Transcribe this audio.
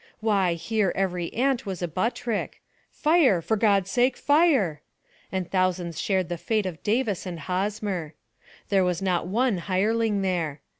Why here every ant was a Buttrick,—"Fire! for God's sake fire!"—and thousands shared the fate of Davis and Hosmer. There was not one hireling there.